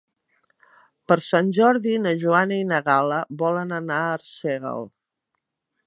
Per Sant Jordi na Joana i na Gal·la volen anar a Arsèguel.